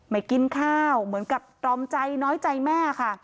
ไม่กินข้าวเหมือนกับตรอมใจน้อยใจแม่ค่ะ